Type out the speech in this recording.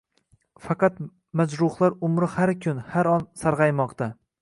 Faqat majruhlar umri har kun, har on sargʻarmoqda